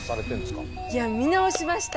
いや見直しました。